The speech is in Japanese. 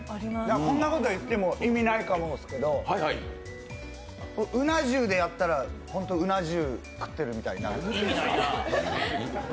こんなこと言っても意味ないかもですけどうな重でやったら本当、うな重食ってるみたいな。